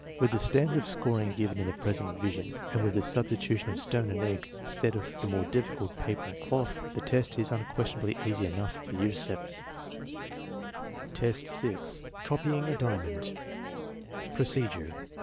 With the standard of scoring given in the present revision, and with the substitu tion of stone and egg instead of the more difficult ^pa/per and cloth, the test is unquestionably easy enough for year VII. 204 THE MEASUREMENT OF INTELLIGENCE VII, 6. Copying a diamond *% Procedure.